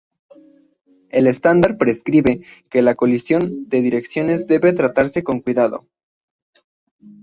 El estándar prescribe que la colisión de direcciones debe tratarse con cuidado.